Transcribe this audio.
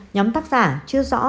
nhóm tác giả chưa rõ